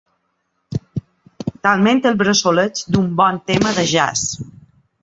Talment el bressoleig d'un bon tema de jazz.